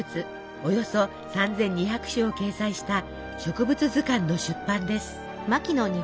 およそ３，２００種を掲載した植物図鑑の出版です。